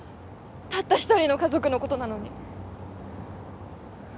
たった一人の家族のことなのに。